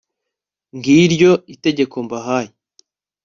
ng'iryo itegeko mbahaye